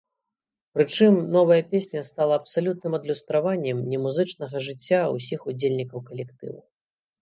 Прычым, новая песня стала абсалютным адлюстраваннем немузычнага жыцця ўсіх удзельнікаў калектыву.